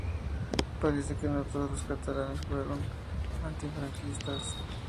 Parece que no todos los catalanes fueron antifranquistas.